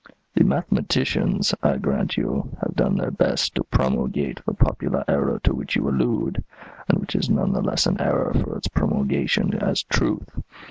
The mathematicians, I grant you, have done their best to promulgate the popular error to which you allude, and which is none the less an error for its promulgation as truth.